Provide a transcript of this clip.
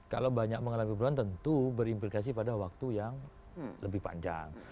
kalau banyak mengalami penurunan tentu berimplikasi pada waktu yang lebih panjang